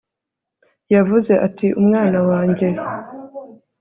Yavuze ati Umwana wanjye